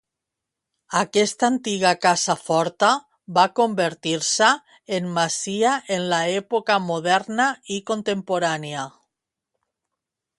Aquesta antiga casa forta va convertir-se en masia en l'època moderna i contemporània.